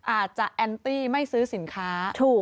อาจจะแอนตี้ไม่ซื้อสินค้าถูก